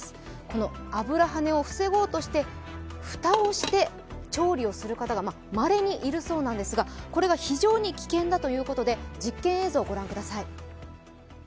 この油はねを防ごうとして蓋をして調理をする方がまれにいるそうなんですが、これが非常に危険だということで、実験映像を御覧ください。